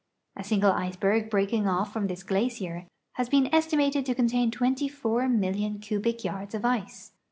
A single iceberg breaking off from this glacier has been estimated to contain 24 million cubic yards of ice.